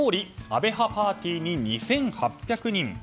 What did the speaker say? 安倍派パーティーに２８００人。